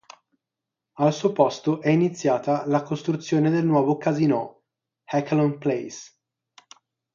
Al suo posto è iniziata la costruzione del nuovo casinò Echelon Place.